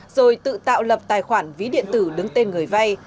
rồi tự tạo lập tài khoản ví điện tử đứng tên người vay